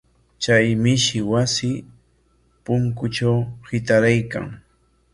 Chay mishi wasi punkutraw hitaraykan.